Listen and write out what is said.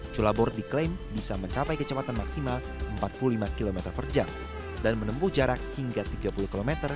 cula board diklaim bisa mencapai kecepatan maksimal empat puluh lima km per jam dan menempuh jarak hingga tiga puluh km